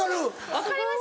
分かります？